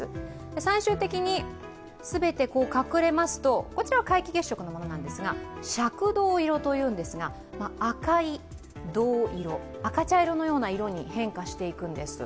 最終的に全て隠れますと、こちらは皆既月食のものなんですが、赤銅色と言うんですが、赤い銅色、赤茶色に変化していくんです。